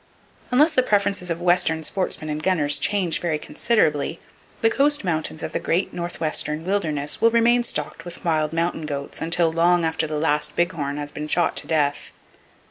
Unless the preferences of western sportsmen and gunners change very considerably, the coast mountains of the great northwestern wilderness will remain stocked with wild mountain goats until long after the last big horn has been shot to death.